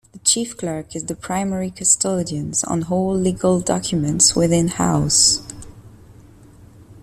The Chief Clerk is the primary custodian of all legal documents within House.